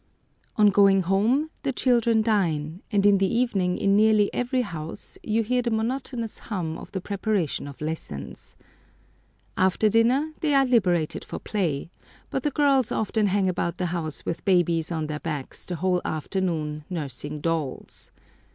On going home the children dine, and in the evening in nearly every house you hear the monotonous hum of the preparation of lessons. After dinner they are liberated for play, but the girls often hang about the house with babies on their backs the whole afternoon nursing dolls.